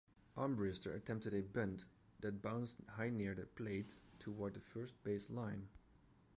Armbrister attempted a bunt that bounced high near the plate toward the first-base line.